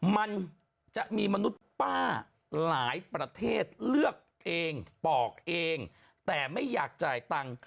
มันจะมีมนุษย์ป้าหลายประเทศเลือกเองปอกเองแต่ไม่อยากจ่ายตังค์